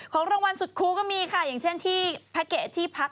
รางวัลสุดครูก็มีค่ะอย่างเช่นที่แพ็กเกจที่พัก